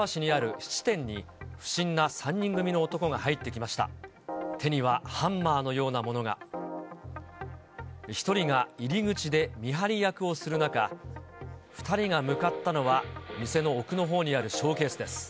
１人が入り口で見張り役をする中、２人が向かったのは、店の奥のほうにあるショーケースです。